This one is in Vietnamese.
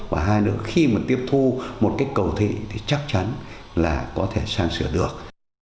và hai nước khi mà tiếp thu một cái cầu thị thì chắc chắn là có thể sang sửa được